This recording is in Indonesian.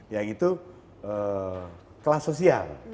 yang itu kelas sosial